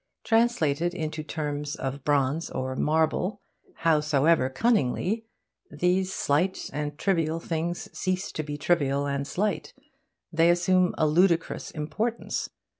Translated into terms of bronze or marble, howsoever cunningly, these slight and trivial things cease to be trivial and slight. They assume a ludicrous importance.